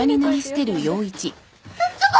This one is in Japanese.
ちょっと！